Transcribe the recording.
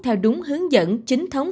theo đúng hướng dẫn chính thống